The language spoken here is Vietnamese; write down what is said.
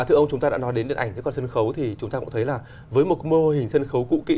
thưa ông chúng ta đã nói đến điện ảnh thế còn sân khấu thì chúng ta cũng thấy là với một mô hình sân khấu cũ kỹ